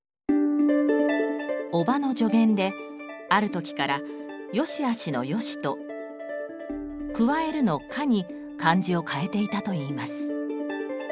叔母の助言である時からよしあしの「良」と加えるの「加」に漢字を変えていたといいます。